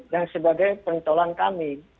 dan sebagai pencolon kami